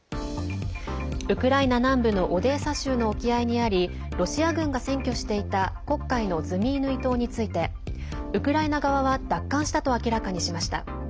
ウクライナ南部のオデーサ州の沖合にありロシア軍が占拠していた黒海のズミイヌイ島についてウクライナ側は奪還したと明らかにしました。